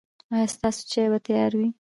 ایا ستاسو چای به تیار وي؟